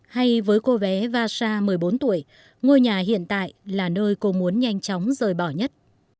hay với cô bé vasha một mươi bốn tuổi ngôi nhà hiện tại là nơi cô muốn nhanh chóng rời bỏ nhất